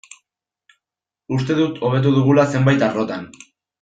Uste dut hobetu dugula zenbait arlotan.